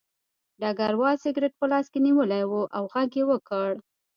ډګروال سګرټ په لاس کې نیولی و او غږ یې وکړ